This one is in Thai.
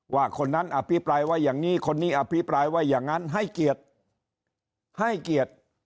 ว่าคนนั้นอภิปรายว่าอย่างนี้คนนี้อภิปรายว่าอย่างนั้นให้เกียรติ